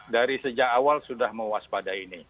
dari sejak awal sudah mewaspadai ini